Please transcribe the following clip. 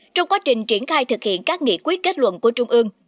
trong quá trình triển khai thực hiện các nghị quyết kết luận của trung ương